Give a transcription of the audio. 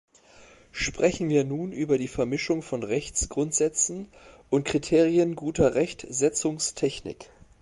Sprechen wir nun über die Vermischung von Rechtsgrundsätzen und Kriterien guter Rechtsetzungstechnik.